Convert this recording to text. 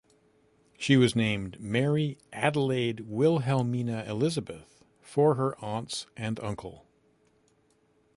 She was named Mary Adelaide Wilhelmina Elizabeth for her aunts and uncle.